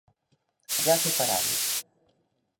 Ja s'ho faran!